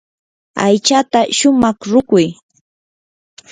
aychata shumaq ruquy.